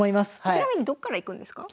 ちなみにどっから行くんですか？